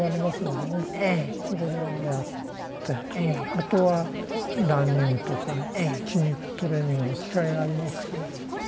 あとはランニングとか筋肉トレーニングの機械がありますから。